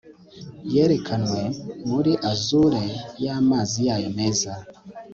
yerekanwe muri azure y'amazi yayo meza